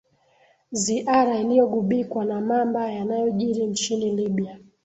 ziara iliyogubikwa na mamba yanayojiri nchini libya